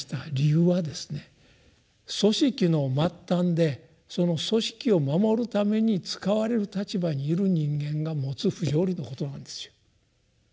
組織の末端でその組織を守るために使われる立場にいる人間が持つ不条理のことなんですよ。